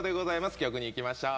曲にいきましょう。